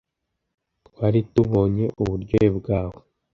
twari tubonye uburyohe bwawe